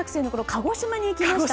鹿児島に行きました。